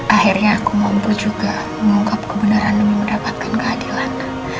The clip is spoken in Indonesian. akhirnya aku mampu juga mengungkap kebenaran demi mendapatkan keadilan